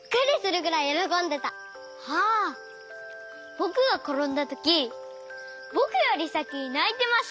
ぼくがころんだときぼくよりさきにないてました。